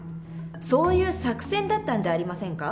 そういう作戦だったんじゃありませんか？